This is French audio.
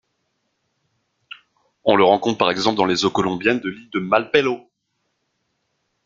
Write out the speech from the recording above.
On le rencontre par exemple dans les eaux colombiennes de l'île de Malpelo.